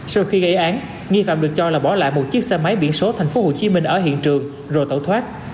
sau khi gây án nghi phạm được cho là bỏ lại một chiếc xe máy biển số thành phố hồ chí minh ở hiện trường rồi tẩu thoát